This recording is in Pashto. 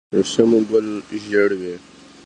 د شړشمو ګل ژیړ وي.